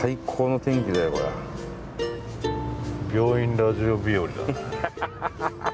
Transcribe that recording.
「病院ラジオ」日和だな。